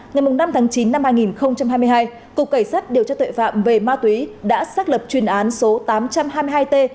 ngày năm tháng chín năm hai nghìn hai mươi hai cục cảnh sát điều tra tuệ phạm về ma túy đã xác lập chuyên án số tám trăm hai mươi hai t